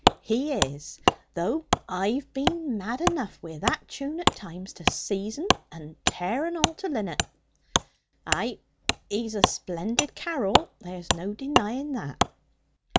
"He is; though I've been mad enough wi' that tune at times to seize en and tear en all to linnit. Ay, he's a splendid carrel there's no denying that."